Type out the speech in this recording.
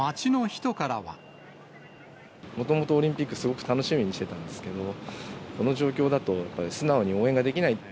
もともとオリンピック、すごく楽しみにしてたんですけど、この状況だと、やっぱり素直に応援ができない。